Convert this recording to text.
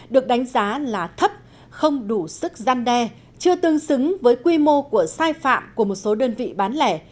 được đánh giá là thấp không đủ sức gian đe chưa tương xứng với quy mô của sai phạm của một số đơn vị bán lẻ